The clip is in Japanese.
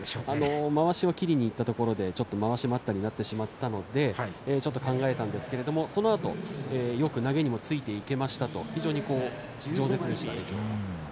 まわしを切りにいったところでまわし待ったになってちょっと考えたんですけれどもそのあとよく投げにもついていけましたと非常にじょう舌でした。